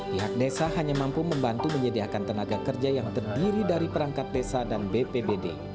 pihak desa hanya mampu membantu menyediakan tenaga kerja yang terdiri dari perangkat desa dan bpbd